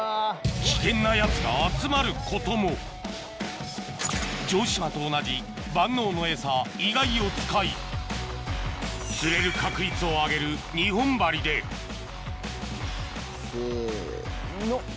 危険なやつが集まることも城島と同じ万能のエサイガイを使い釣れる確率を上げる２本針でせの。